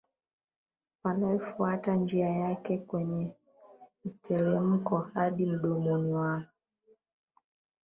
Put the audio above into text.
yanayofuata njia yake kwenye mtelemko hadi mdomoni wake